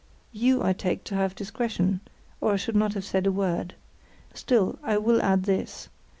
You I take to have discretion, or I should not have said a word. Still, I will add this.